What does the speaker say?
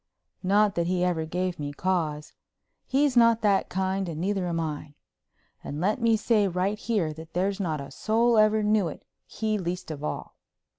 Not that he ever gave me cause; he's not that kind and neither am I. And let me say right here that there's not a soul ever knew it, he least of all.